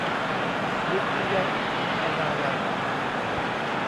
ฤทธิยะวรรณาลัย